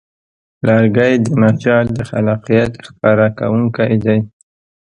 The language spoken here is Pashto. لرګی د نجار د خلاقیت ښکاره کوونکی دی.